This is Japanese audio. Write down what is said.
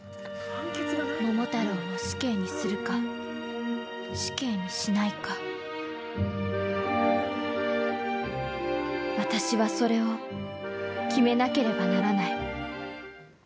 桃太郎を死刑にするか死刑にしないか、私はそれを決めなければならない。